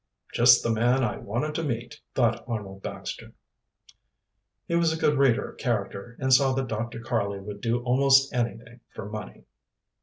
"Just the man I wanted to meet," thought Arnold Baxter. He was a good reader of character, and saw that Dr. Karley would do almost anything for money.